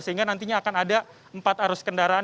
sehingga nantinya akan ada empat arus kendaraan